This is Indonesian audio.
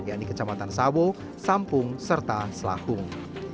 yakni kecamatan sawo sampung serta selahung